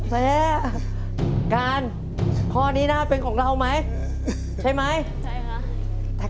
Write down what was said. แซ่การข้อนี้น่าเป็นของเราไหมใช่ไหมใช่ค่ะ